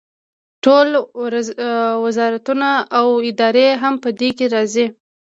ټول وزارتونه او ادارې هم په دې کې راځي.